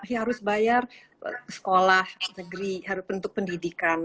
harus bayar sekolah negeri bentuk pendidikan